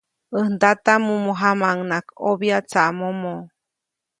Äj ndata, mumu jamaʼuŋnaʼajk ʼobya tsaʼmomo.